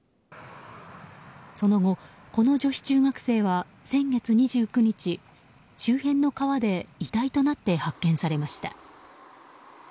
その後、この女子中学生は先月２９日周辺の川で遺体となって発見されました。